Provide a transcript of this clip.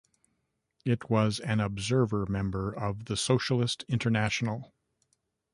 It was an observer member of the Socialist International.